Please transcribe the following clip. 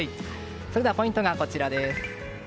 それではポイントがこちらです。